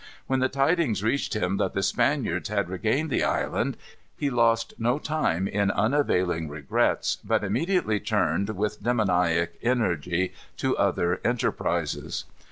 When the tidings reached him that the Spaniards had regained the island, he lost no time in unavailing regrets, but immediately turned, with demoniac energy, to other enterprises.